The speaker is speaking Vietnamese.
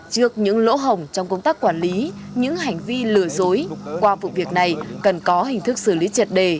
trước những lỗ hồng trong công tác quản lý những hành vi lừa dối qua vụ việc này cần có hình thức xử lý triệt đề